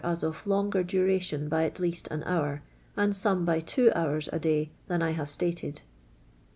IS of jongcr duration by at Inist an hour, and SOUR* by two ))oiirs, a day, thaii I havo stated.